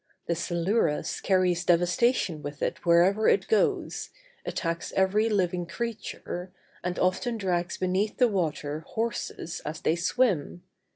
The silurus carries devastation with it wherever it goes, attacks every living creature, and often drags beneath the water horses as they swim.